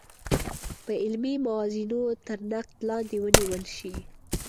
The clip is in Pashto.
په علمي موازینو تر نقد لاندې ونیول شي.